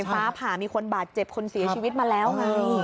ฟ้าผ่ามีคนบาดเจ็บคนเสียชีวิตมาแล้วไง